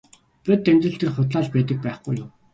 Бодит амьдрал дээр худлаа л байдаг байхгүй юу.